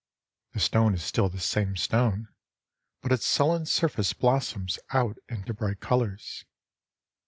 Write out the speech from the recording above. The stone is still the same stone ; but its sullen surface blossoms out into bright colours.